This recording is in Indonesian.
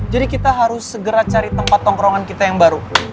jadi kita harus segera cari tempat nongkrongan kita yang baru